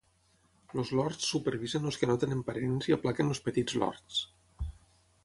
Els Lords supervisen els que no tenen parents i aplaquen els petits Lords.